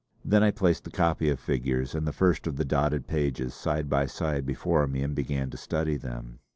Then I placed the copy of figures and the first of the dotted pages side by side before me and began to study them.